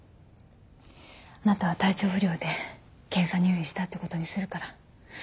あなたは体調不良で検査入院したってことにするから。